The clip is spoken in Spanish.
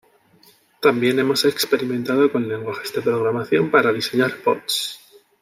También hemos experimentado con lenguajes de programación para diseñar bots